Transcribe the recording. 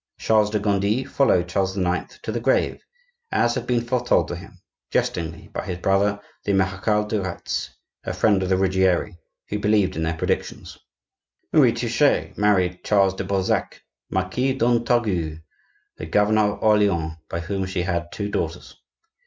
Charles de Gondi followed Charles IX. to the grave, as had been foretold to him jestingly by his brother the Marechal de Retz, a friend of the Ruggieri, who believed in their predictions. Marie Touchet married Charles de Balzac, Marquis d'Entragues, the governor of Orleans, by whom she had two daughters.